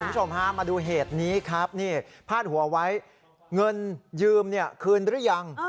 คุณผู้ชมฮะมาดูเหตุนี้ครับนี่พาดหัวไว้เงินยืมเนี่ยคืนหรือยัง